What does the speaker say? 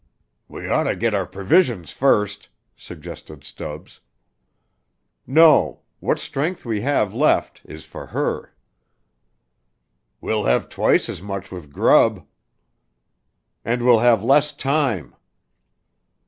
"We oughter get our provisions first," suggested Stubbs. "No what strength we have left is for her." "We'll have twice as much with grub." "And we'll have less time."